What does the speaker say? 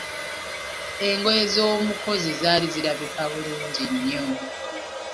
Engoye z'omukozi zaali zirabika bulungi nnyo.